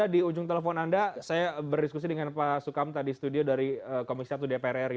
di ujung telepon anda saya berdiskusi dengan pak sukamta di studio dari komisi satu dpr ri